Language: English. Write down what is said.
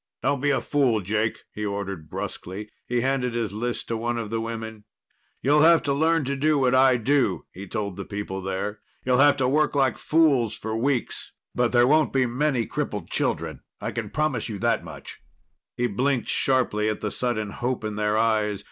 "Don't be a fool, Jake," he ordered brusquely. He handed his list to one of the women. "You'll have to learn to do what I do," he told the people there. "You'll have to work like fools for weeks. But there won't be many crippled children. I can promise that much!" He blinked sharply at the sudden hope in their eyes.